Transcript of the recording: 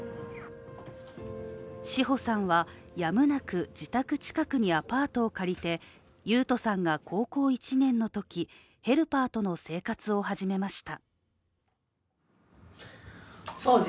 志穂さんは、やむなく自宅近くにアパートを借りて雄斗さんが高校１年のとき、ヘルパーとの生活を始めました。